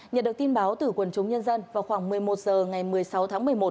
nhận được tin báo từ quần chúng nhân dân vào khoảng một mươi một h ngày một mươi sáu tháng một mươi một